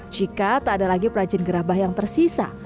jika tak ada lagi perajin gerabah yang tersisa